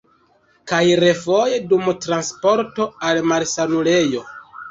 Kaj refoje dum transporto al malsanulejo.